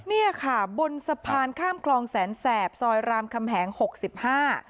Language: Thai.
เนี่ยค่ะบนสะพานข้ามคลองแสนแสบซอยรามคำแหงหกสิบห้า